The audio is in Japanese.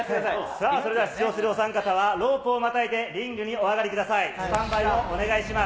さあ、それでは出場するお三方はロープをまたいで、リングにお上がりください。